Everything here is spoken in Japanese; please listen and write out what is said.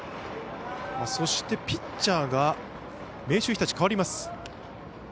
そしてピッチャーが明秀日立、代わります。